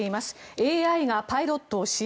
ＡＩがパイロットを支援